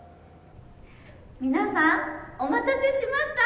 みなさんお待たせしました。